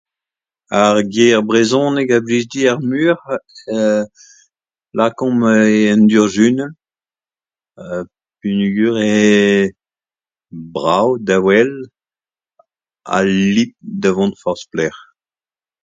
Ar ger brezhoneg a blij din ar muioc'h, lakomp eo an durzhunell, peogwir eo brav da well ha lib da vont forzh pelec'h